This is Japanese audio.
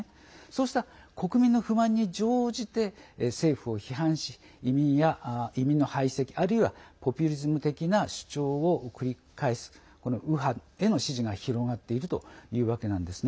そうした国民の不満に乗じて政府を批判し、移民の排斥あるいはポピュリズム的な主張を繰り返す右派への支持が広がっているというわけなんです。